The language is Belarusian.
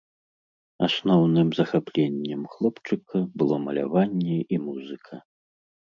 Асноўным захапленнем хлопчыка было маляванне і музыка.